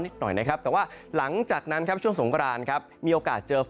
นิดหน่อยนะครับตั้งว่าหลังจากนั้นครับช่วงสงการครับมีโอกาศเจอ